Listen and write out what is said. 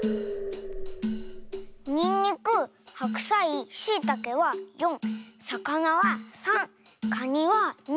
にんにくはくさいしいたけは４さかなは３カニは２。